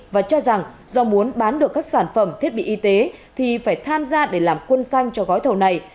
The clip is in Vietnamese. và cho rằng do muốn bán được các sản phẩm thiết bị y tế thì phải tham gia để làm quân xanh cho gói thầu này